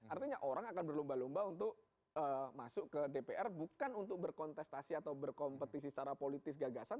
artinya orang akan berlomba lomba untuk masuk ke dpr bukan untuk berkontestasi atau berkompetisi secara politis gagasan